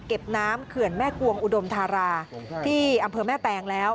เก็บน้ำเขื่อนแม่กวงอุดมธาราที่อำเภอแม่แตงแล้ว